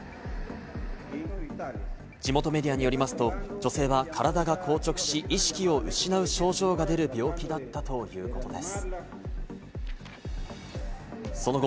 地元メディアによりますと女性は体が硬直し、意識を失う症状が出る病気だったということです。